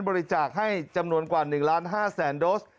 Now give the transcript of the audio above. บริจาคให้จำนวนกว่า๑๕๐๐๐๐๐โดส